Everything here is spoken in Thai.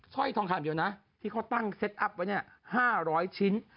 ร้อยทองคำเดียวนะที่เขาตั้งเซ็ตอัพไว้เนี่ย๕๐๐ชิ้น